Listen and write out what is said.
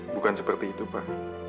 bukan seperti itu pak